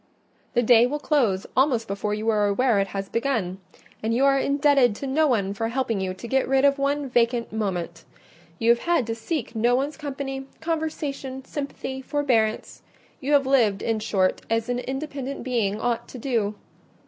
The day will close almost before you are aware it has begun; and you are indebted to no one for helping you to get rid of one vacant moment: you have had to seek no one's company, conversation, sympathy, forbearance; you have lived, in short, as an independent being ought to do.